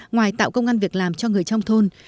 ngoài tạo công an việc làm cho người trong thôn